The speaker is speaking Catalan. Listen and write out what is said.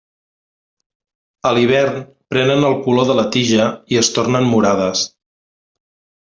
A l'hivern prenen el color de la tija i es tornen morades.